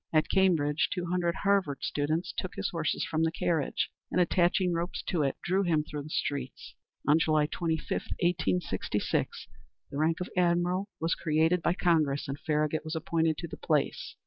At Cambridge, two hundred Harvard students took his horses from the carriage, and attaching ropes to it, drew him through the streets. On July 25, 1866, the rank of admiral was created by Congress, and Farragut was appointed to the place.